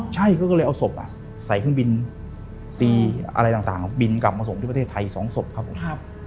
ใช่เขาก็เลยเอาศพใส่เครื่องบินซีอะไรต่างบินกลับมาส่งที่ประเทศไทย๒ศพครับผม